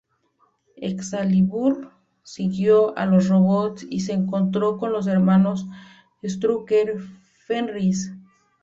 Excalibur siguió a los robots y se encontró con los hermanos Strucker, Fenris.